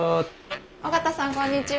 緒方さんこんにちは。